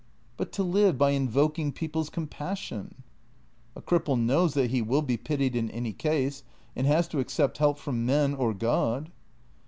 " But to live by invoking people's compassion." " A cripple knows that he will be pitied in any case, and has to accept help from men — or God."